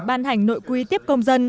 ban hành nội quy tiếp tục